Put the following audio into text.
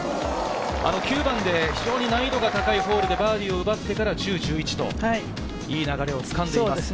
９番で非常に難易度が高いホールでバーディーを奪ってから１０、１１といい流れを掴んでいます。